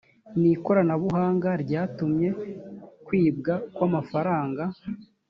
ni ikoranabuhanga ryatumye kwibwa kw amafaranga